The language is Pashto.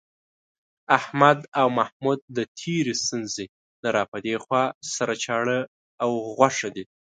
احمد او محمود د تېرې ستونزې نه را پدېخوا، سره چاړه غوښه دي.